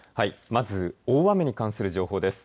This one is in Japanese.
まず大雨に関する情報です。